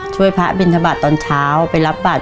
ช่วยพระบิณฑบาตตอนเช้าไปรับบาตร